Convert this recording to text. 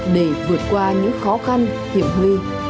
để vượt qua những khó khăn hiểm huy